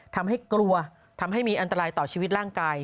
ทำให้กลัวทำให้มีอันตรายต่อชีวิตร่างกาย